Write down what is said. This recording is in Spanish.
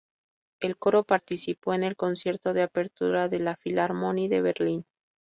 El coro participó en el concierto de apertura de la Philharmonie de Berlín.